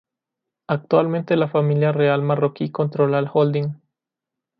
Actualmente la familia real marroquí controla el holding.